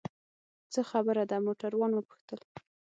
څه خبره ده؟ موټروان وپوښتل.